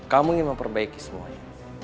kamu ingin memperbaiki semuanya